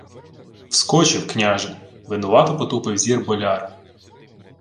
— Вскочив, княже, — винувато потупив зір болярин.